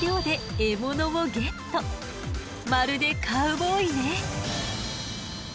まるでカウボーイね。